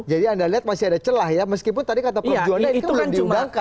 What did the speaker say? jadi anda lihat masih ada celah ya meskipun tadi kata perjuangan itu belum diundangkan